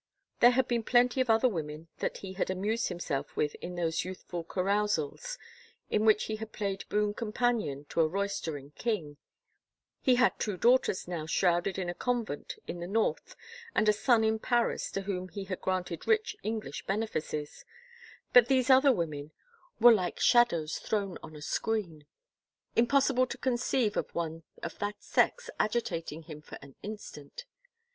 There had been plenty of other women that he had amused himself with in those youthful carousals in which he had played boon companion to a roistering king — he had two daughters now shrouded in a convent in the north and a son in Paris to whom he had granted rich English benefices — but these other women were like 126 AN INOPPORTUNE EVENT shadows thrown on a screen. Impossible to conceive of one of that sex agitating him for an instant